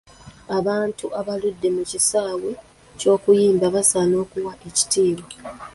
Abantu abaludde mu kisaawe ky’okuyimba basaana okuwa ekitiibwa.